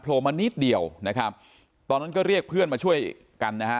มานิดเดียวนะครับตอนนั้นก็เรียกเพื่อนมาช่วยกันนะฮะ